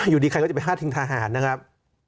อยู่ดีใครก็จะไปพาดพิงทหารนะครับ